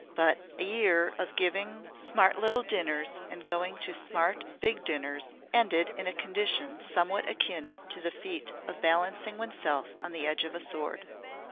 But a year of giving smart little dinners and going to smart big dinners ended in a condition somewhat akin to the feat of balancing oneself on the edge of a sword.